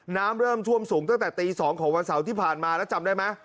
น้ำเริ่มท่วมสูงตั้งแต่ตี๒ของวันเสาร์ที่ผ่านมาแล้วจำได้ไหม